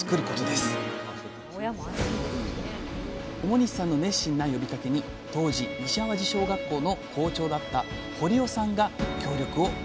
表西さんの熱心な呼びかけに当時西淡路小学校の校長だった堀尾さんが協力を申し出ました